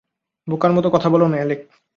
বোকার মত কথা বলোনা, অ্যালেক।